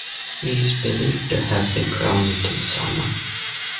He is believed to have been crowned in Sama.